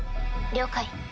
了解。